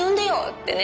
ってね。